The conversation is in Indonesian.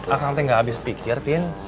akang teh gak abis pikir tin